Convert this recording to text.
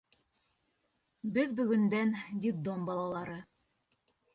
Беҙ бөгөндән — детдом балалары...